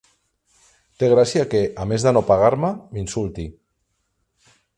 Té gràcia que, a més de no pagar-me, m'insulti.